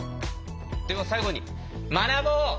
では最後に学ぼう！